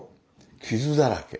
傷だらけ。